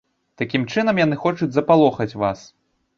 Такім чынам яны хочуць запалохаць вас.